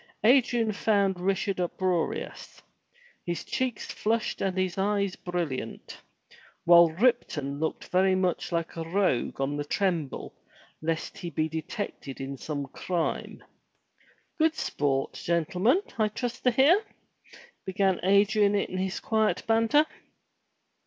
Adrian found Richard uproarious, his cheeks flushed and his eyes brilliant, while Ripton looked very much like a rogue on the tremble lest he be detected in some crime. Good sport, gentlemen, I trust to hear?" began Adrian in his quiet banter.